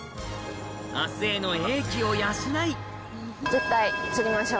明日への英気を養い絶対釣りましょう。